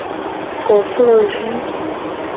Koklo zi.